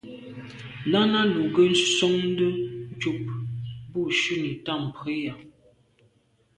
Náná lù gə́ sɔ̀ŋdə̀ ncúp bû shúnì tâm prǐyà.